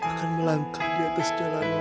akan melangkah di atas jalan